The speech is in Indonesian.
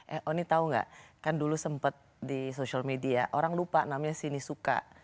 eh oni tau gak kan dulu sempet di social media orang lupa namanya sinisuka